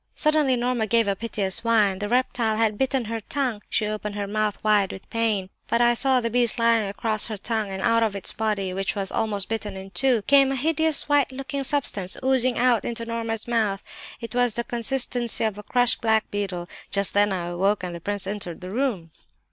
Suddenly Norma gave a piteous whine; the reptile had bitten her tongue. She opened her mouth wide with the pain, and I saw the beast lying across her tongue, and out of its body, which was almost bitten in two, came a hideous white looking substance, oozing out into Norma's mouth; it was of the consistency of a crushed black beetle. Just then I awoke and the prince entered the room."